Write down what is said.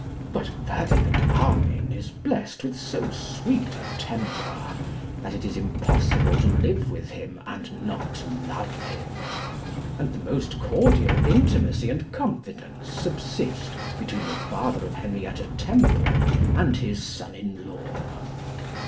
But Ferdinand Armine is blessed with so sweet a temper that it is impossible to live with him and not love him; and the most cordial intimacy and confidence subsist between the father of Henrietta Temple and his son in law.